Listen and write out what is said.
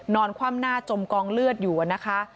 คว่ำหน้าจมกองเลือดอยู่นะคะ